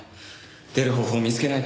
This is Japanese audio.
出る方法を見つけないと。